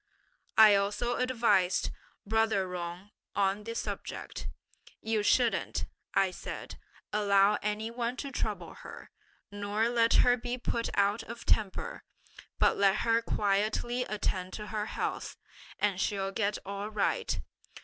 "I also advised brother Jung on the subject: 'You shouldn't,' I said, 'allow any one to trouble her; nor let her be put out of temper, but let her quietly attend to her health, and she'll get all right.